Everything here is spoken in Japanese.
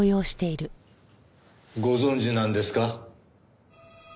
ご存じなんですか？